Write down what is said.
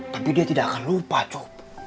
tapi dia tidak akan lupa cok